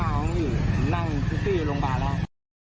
แล้วก็พลิกไปเลยยาวนี้